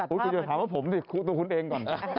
คุณอย่าถามว่าผมสิคุณต้องคุณเองก่อน